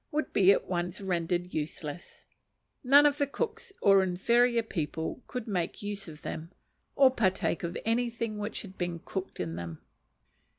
would be at once rendered useless: none of the cooks or inferior people could make use of them, or partake of anything which had been cooked in them.